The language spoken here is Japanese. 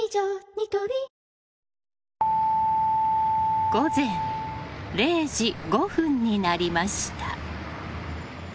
ニトリ午前０時５分になりました。